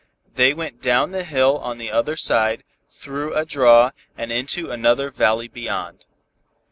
They went down the hill on the other side, through a draw and into another valley beyond.